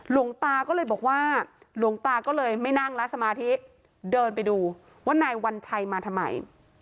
หลวงตาก็เลยบอกว่าหลวงตาก็เลยไม่นั่งแล้วสมาธิเดินไปดูว่านายวัญชัยมาทำไม